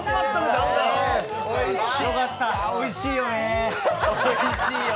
おいしいよね！